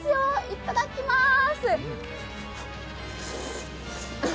いっただきまーす。